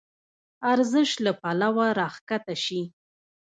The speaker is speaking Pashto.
ارزش له پلوه راکښته شي.